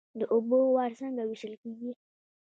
د اوبو وار څنګه ویشل کیږي؟